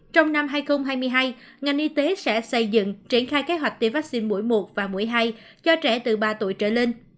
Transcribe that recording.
trong năm hai nghìn hai mươi hai ngành y tế sẽ xây dựng triển khai kế hoạch tiêm vaccine mũi một và mũi hai cho trẻ từ ba tuổi trở lên